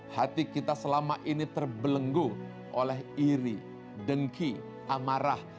hati kita selama ini terbelenggu oleh iri dengki amarah